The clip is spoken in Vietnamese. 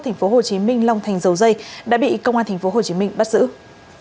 thành phố hồ chí minh long thành dấu dây đã bị công an thành phố hồ chí minh bắt dậy